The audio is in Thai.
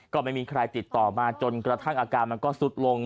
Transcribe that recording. ก็ไม่มีใครติดต่อมาจนกระทั่งอาการมันก็สุดลง